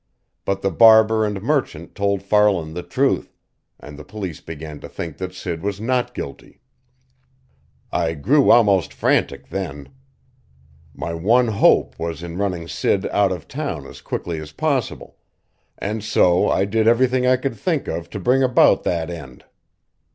But the barber and merchant told Farland the truth, and the police began to think that Sid was not guilty. "I grew almost frantic then. My one hope was in running Sid out of town as quickly as possible, and so I did everything I could think of to bring about that end."